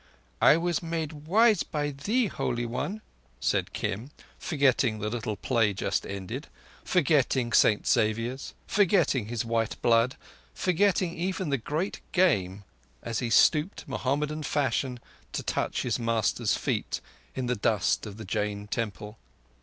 "I was made wise by thee, Holy One," said Kim, forgetting the little play just ended; forgetting St Xavier's; forgetting his white blood; forgetting even the Great Game as he stooped, Mohammedan fashion, to touch his master's feet in the dust of the Jain temple.